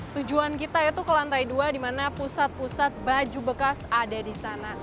tujuan kita itu ke lantai dua di mana pusat pusat baju bekas ada di sana